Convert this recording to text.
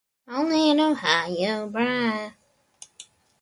Dariet vairāk Sīrijā un neatbalstiet negatavus risinājumus.